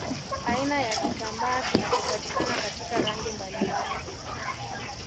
Aina ya kitambaa kinachopatikana katika rangi mbalimbali